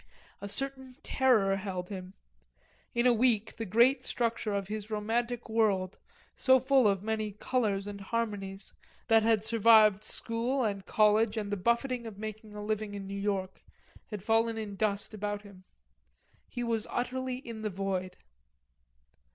A certain terror held him. In a week the great structure of his romantic world, so full of many colors and harmonies, that had survived school and college and the buffeting of making a living in New York, had fallen in dust about him. He was utterly in the void.